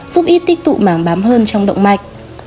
giúp ít tích tụ mảng bám hơn trong động mạch